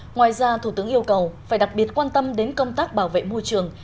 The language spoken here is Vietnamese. ngoài ra thủ tướng yêu cầu phải đặc biệt quan tâm đến công tác bảo vệ môi trường